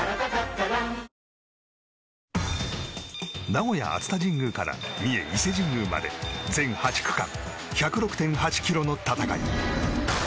名古屋・熱田神宮から三重・伊勢神宮まで全８区間１０６．８ｋｍの戦い。